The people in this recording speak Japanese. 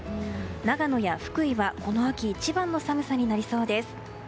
長野や福井はこの秋一番の寒さになりそうです。